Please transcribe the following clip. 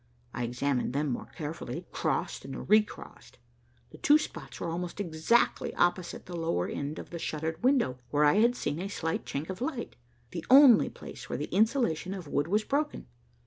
I examined them more carefully, crossed and recrossed. The two spots were almost exactly opposite the lower end of the shuttered window where I had seen a slight chink of light, the only place where the insulation of wood was broken.